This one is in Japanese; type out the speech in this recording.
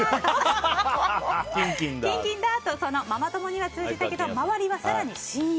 キンキンだ！とそのママ友には通じたけど周りは更にシーン。